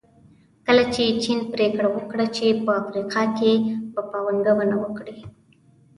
کله چې چین پریکړه وکړه چې په افریقا کې به پانګونه کوي.